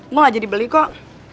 gue gak jadi beli kok